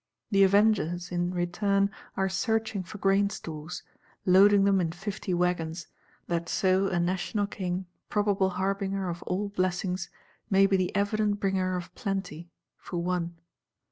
The Avengers, in return, are searching for grain stores; loading them in fifty waggons; that so a National King, probable harbinger of all blessings, may be the evident bringer of plenty, for one.